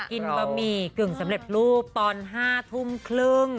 บะหมี่กึ่งสำเร็จรูปตอน๕ทุ่มครึ่ง